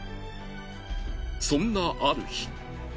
そんなある日。